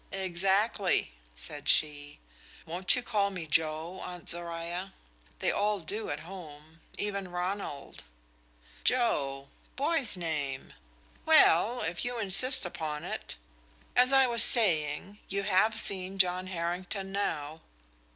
"Exactly," said she. "Won't you call me Joe, aunt Zoruiah? They all do at home even Ronald." "Joe? Boy's name. Well, if you insist upon it. As I was saying, you have seen John Harrington, now."